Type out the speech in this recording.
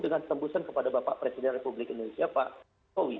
dengan tembusan kepada bapak presiden republik indonesia pak jokowi